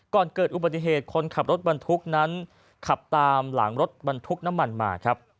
ก่อนเกิดอุบัติเหตุคนขับรถบรรทุกนั้นขับตามหลังรถบรรทุกน้ำมันมาครับ